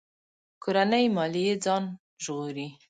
کورنۍ ماليې ځان ژغوري.